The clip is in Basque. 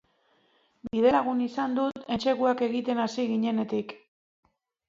Bidelagun izan dut, entseguak egiten hasi ginenetik.